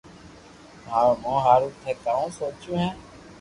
مون ھارو ٿي ڪاو سوچيو ھي